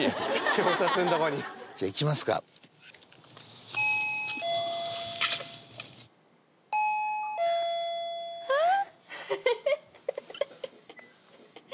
表札んとこにじゃあ行きますかはい！